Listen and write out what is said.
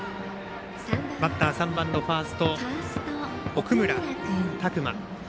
バッター３番のファースト、奥村拓真。